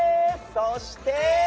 そして。